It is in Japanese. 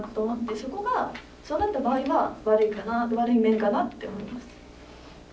そこがそうなった場合は悪いかな悪い面かなって思いました。